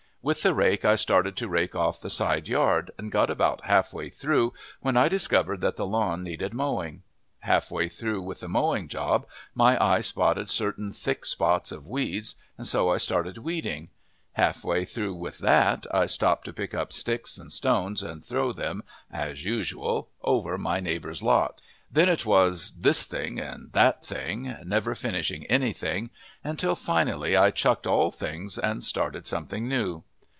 With the rake I started to rake off the side yard, and got about halfway through when I discovered that the lawn needed mowing. Halfway through with the mowing job my eye spotted certain thick spots of weeds, and so I started weeding. Halfway through with that I stopped to pick up sticks and stones and throw them, as usual, over my neighbor's lot. Then it was this thing and that thing, never finishing anything, until finally I chucked all things and started something new.